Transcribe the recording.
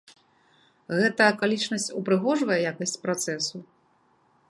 Гэта акалічнасць упрыгожвае якасць працэсу?